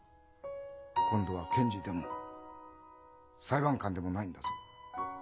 今度は検事でも裁判官でもないんだぞ。